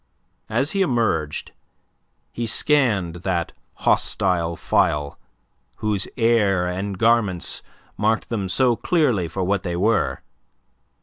As he emerged, he scanned that hostile file, whose air and garments marked them so clearly for what they were.